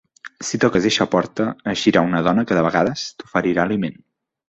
Si toques a eixa porta, eixirà una dona que de vegades t'oferirà aliment.